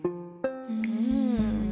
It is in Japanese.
うん。